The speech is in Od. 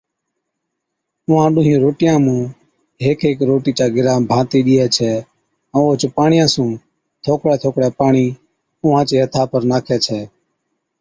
اُونھان ڏُونھِين روٽِيان مُون ھيڪ ھيڪ روٽِي چا گِرھا ڀانتِي ڏِيئَي ڇَي ائُون اوھچ پاڻِيا سُون ٿوڪڙَي ٿوڪڙَي پاڻِي اُونھان چي ھٿا پر ناکَي ڇَي